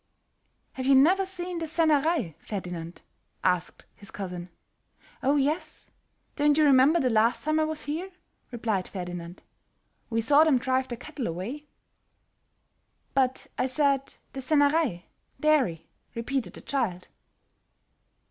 "Have you never seen the senner_ei_, Ferdinand?" asked his cousin. "Oh, yes. Don't you remember the last time I was here," replied Ferdinand, "we saw them drive the cattle away?" "But I said the senner_ei_ (dairy)," repeated the child.